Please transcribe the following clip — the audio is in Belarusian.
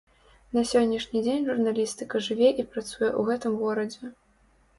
На сённяшні дзень журналістка жыве і працуе ў гэтым горадзе.